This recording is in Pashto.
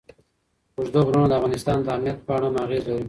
اوږده غرونه د افغانستان د امنیت په اړه هم اغېز لري.